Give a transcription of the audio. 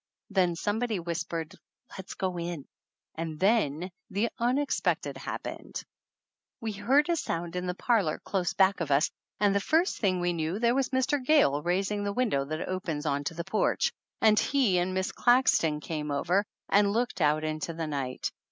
Then somebody whispered let's go in and then the unexpected happened. We heard a sound in the parlor close back of us and the first thing we knew there was Mr. Gayle raising the window that opens on to the porch, and he and Miss Claxton came over and 222 THE ANNALS OF ANN looked out into the night.